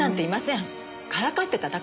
からかってただけです。